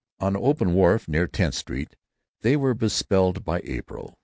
On an open wharf near Tenth Street they were bespelled by April.